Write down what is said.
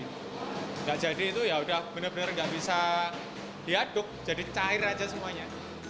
nggak jadi itu yaudah bener bener nggak bisa diaduk jadi cair aja semuanya